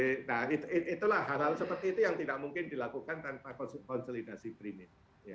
nah itulah hal hal seperti itu yang tidak mungkin dilakukan tanpa konsolidasi primit